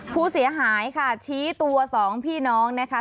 ผู้เสียหายค่ะชี้ตัวสองพี่น้องนะคะ